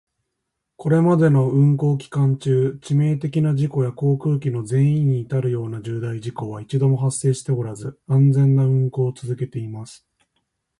これまでの運航期間中、致命的な事故や航空機の全損に至るような重大事故は一度も発生しておらず、安全な運航を続けています。